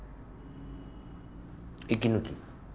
息抜き。